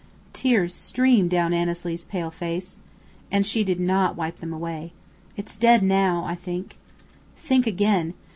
Tears streamed down Annesley's pale face, and she did not wipe them away. "It's dead now I think." "Think again.